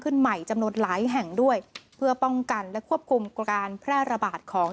ใหม่จำนวนหลายแห่งด้วยเพื่อป้องกันและควบคุมการแพร่ระบาดของ